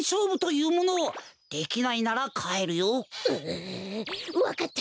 ううわかった！